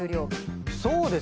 そうですね。